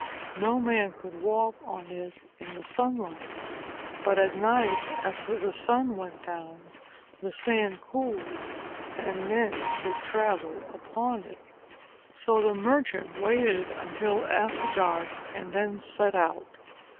No man could walk on it in the sunlight. But at night, after the sun went down, the sand cooled, and then men could travel upon it. So the merchant waited until after dark, and then set out.